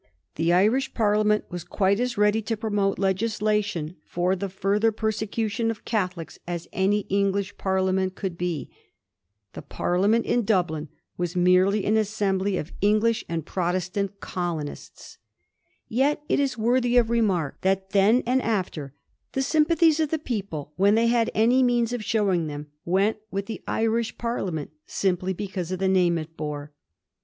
The Irish Parliam^it was quite as ready to promote legislation for the ftirther persecution of Catholics as any English Par liament could be. The Parliament in Dublin was merely an assembly of English and Protestant Digiti zed by Google 1718. DEA.TH OF WILLIAM PENN. 235 colonists. Yet it is worthy of remark, that then and after, the sympathies of the people, when they had any means of showing them, went with the Irish Parliament simply because of the name it bore.